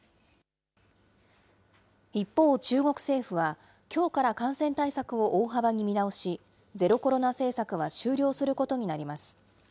一方、中国政府は、きょうから感染対策を大幅に見直し、ゼロコロナ政策は終了することになります。